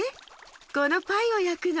このパイをやくの。